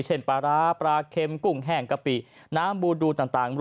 ปลาร้าปลาเค็มกุ้งแห้งกะปิน้ำบูดูต่าง